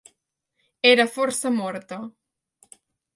Era força morta.